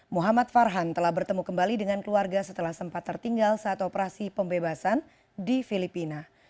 muhammad farhan telah bertemu kembali dengan keluarga setelah sempat tertinggal saat operasi pembebasan di filipina